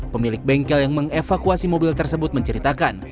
pemilik bengkel yang mengevakuasi mobil tersebut menceritakan